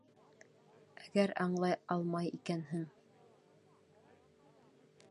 Әгәр аңлай алмай икәнһең...